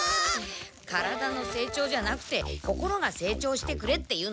体の成長じゃなくて心が成長してくれっていうの。